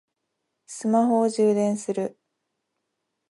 スマホを充電する